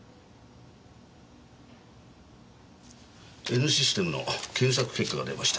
Ｎシステムの検索結果が出ました。